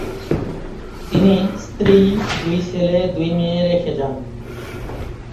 তিনি স্ত্রী, দুই ছেলে, দুই মেয়ে রেখে যান।